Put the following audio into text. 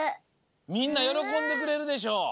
みんなよろこんでくれるでしょ？